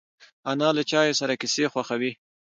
انا له چای سره کیسې خوښوي